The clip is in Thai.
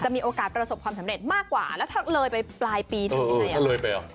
มีโอกาสประสบความสำเร็จมากกว่าแล้วถ้าเลยไปปลายปีได้ยังไงอ่ะ